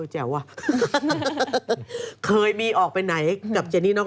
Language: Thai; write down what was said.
แจ๋วอ่ะเคยมีออกไปไหนกับเจนี่น้อง